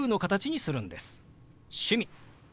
「趣味」。